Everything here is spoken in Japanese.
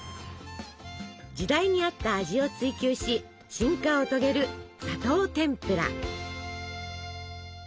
時代に合った味を追求し進化を遂げる砂糖てんぷら。